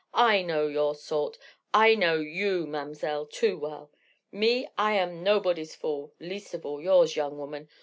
I know your sort, I know you, mam'selle, too well! Me, I am nobody's fool, least of all yours, young woman.